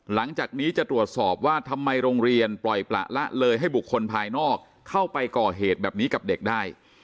หลังจากนี้จะตรวจสอบว่าทำไมโรงเรียนปล่อยประละเลยให้บุคคลภายนอกเข้าไปก่อเหตุแบบนี้กับเด็กได้